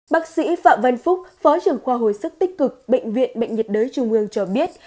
bác sĩ phạm văn phúc phó trưởng khoa hồi sức tích cực bệnh viện bệnh nhiệt đới trung ương cho biết